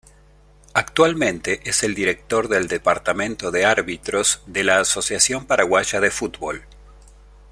Actualmente es el Director del Departamento de Árbitros de la Asociación Paraguaya de Fútbol.